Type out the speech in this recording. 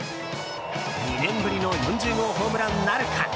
２年ぶりの４０号ホームランなるか。